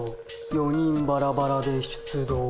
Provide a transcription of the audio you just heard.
４人バラバラで出動。